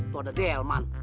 tuh ada delman